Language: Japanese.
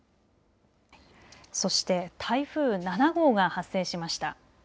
そして台風７号が発生しました。